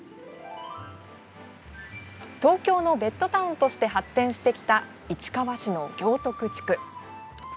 東京のベッドタウンとして発展してきた市川市の行徳地区。